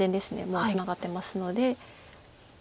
もうツナがってますので。